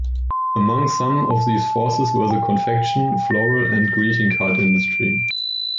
Among some of these forces were the confection, floral and greeting card industry.